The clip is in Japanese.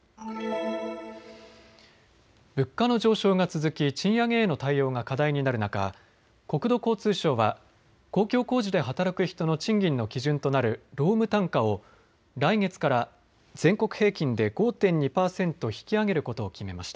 物価の上昇が続き賃上げへの対応が課題になる中、国土交通省は公共工事で働く人の賃金の基準となる労務単価を来月から全国平均で５．２％引き上げることを決めました。